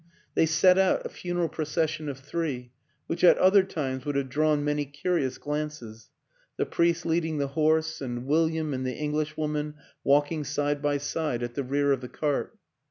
They set out, a funeral procession of three, which at other times would have drawn many curious glances; the priest leading the horse and William and the Englishwoman walking side by side at the rear of the cart.